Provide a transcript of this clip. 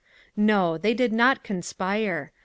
"No! They did not conspire.